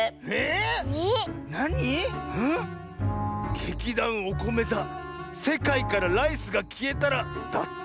劇団おこめ座「せかいからライスがきえたら」だって。